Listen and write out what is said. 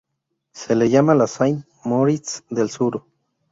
Se le llama la Saint Moritz del Sur.